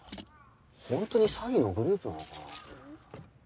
ホントに詐欺のグループなのかな？